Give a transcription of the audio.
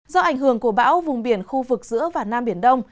do ảnh hưởng của bão vùng biển khu vực giữa và nam biển đông